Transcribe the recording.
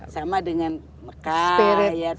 sama dengan mekah ayat